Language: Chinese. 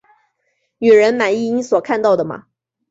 女人，满意你所看到的吗？